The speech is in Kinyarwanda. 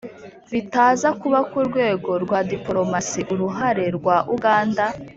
bitaza kuba ku rwego rwa dipolomasi, uruhare rwa uganda